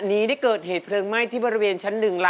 มึงหนีไปก่อนนะ